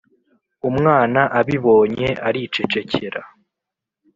Umwana abibonye aricecekera,